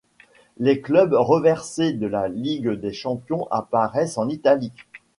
Les clubs reversés de la Ligue des champions apparaissent en italique.